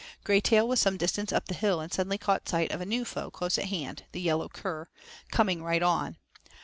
Graytail was some distance up the hill, and suddenly caught sight of a new foe close at hand, the yellow cur, coming right on.